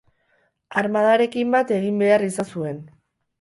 Armadarekin bat egin behar izan zuen.